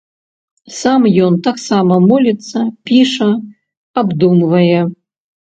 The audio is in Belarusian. Сам ён таксама моліцца, піша, абдумвае.